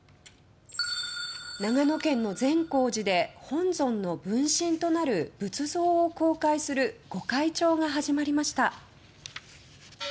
長野県の善光寺で本尊の分身となる仏像を公開する御開帳が始まりました。